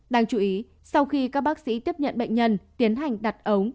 đáng chú ý sau khi các bác sĩ tiếp nhận bệnh nhân tiến hành đặt ống